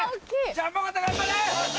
ジャンボ尾形頑張れ！